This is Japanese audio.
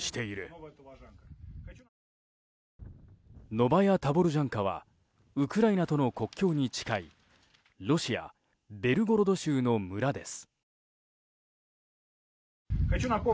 ノバヤ・タボルジャンカはウクライナとの国境に近いロシア・ベルゴロド州の村です。